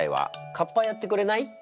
かっぱやってくれない？